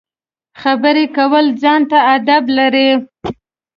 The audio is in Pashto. خبرې کول ځان ته اداب لري.